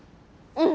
うん。